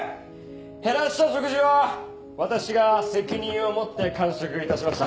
・減らした食事は私が責任を持って完食いたしました。